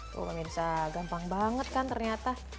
tuh pemirsa gampang banget kan ternyata